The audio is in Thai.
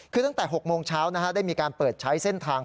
คือตั้งแต่๖โมงเช้าได้มีการเปิดใช้เส้นทาง